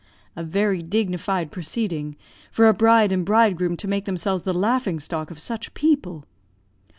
"A very dignified proceeding, for a bride and bridegroom to make themselves the laughing stock of such people!"